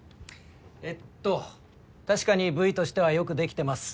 えっと確かにＶとしてはよく出来てます。